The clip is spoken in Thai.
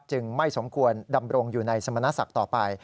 ไม่สมควรดำรงอยู่ในสมณศักดิ์ต่อไป